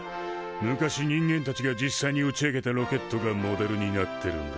昔人間たちが実際に打ち上げたロケットがモデルになってるんだ。